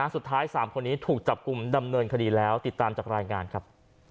๓คนนี้ถูกจับกลุ่มดำเนินคดีแล้วติดตามจากรายงานครับ